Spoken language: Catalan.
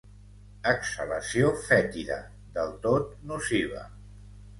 Exhalació fètida, del tot nociva.